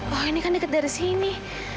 wah ini kan dekat dari sini